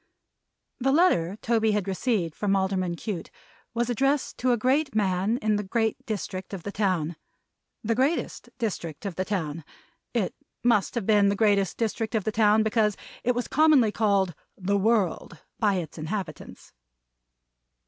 The letter Toby had received from Alderman Cute, was addressed to a great man in the great district of the town. The greatest district of the town. It must have been the greatest district of the town, because it was commonly called "the world" by its inhabitants.